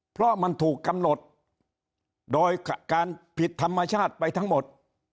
เพราะมันถูกกำหนดโดยการผิดธรรมชาติไปทั้งหมด